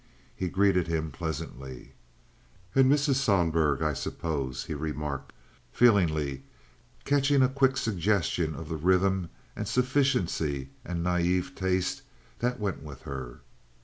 He greeted him pleasantly. "And Mrs. Sohlberg, I suppose," he remarked, feelingly, catching a quick suggestion of the rhythm and sufficiency and naive taste that went with her.